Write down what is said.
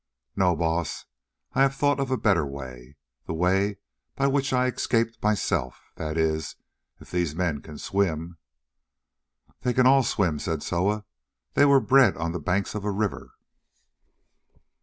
"No, Baas, I have thought of a better way, the way by which I escaped myself—that is, if these men can swim." "They can all swim," said Soa; "they were bred on the banks of a river."